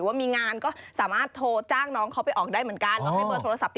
เอากระดาษปากกะให้ดีฉันด้วย